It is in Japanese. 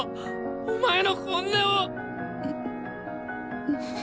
お前の本音を！